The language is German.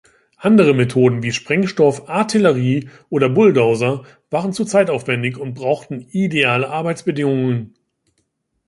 Andere Methoden wie Sprengstoff, Artillerie oder Bulldozer waren zu zeitaufwendig und brauchten ideale Arbeitsbedingungen.